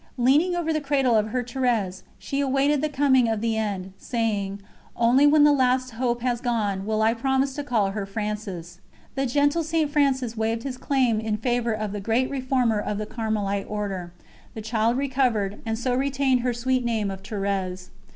Leaning over the cradle of her Thérèse, she awaited the coming of the end, saying: "Only when the last hope has gone, will I promise to call her Frances." The gentle St. Francis waived his claim in favour of the great Reformer of the Carmelite Order: the child recovered, and so retained her sweet name of Thérèse.